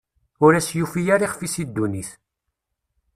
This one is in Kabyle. Ur as-yufi ara ixf-is i ddunit.